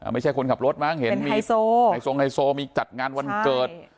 ไม่ใช่คนขับรถมั้งเห็นมีไฮโซงไฮโซมีจัดงานวันเกิด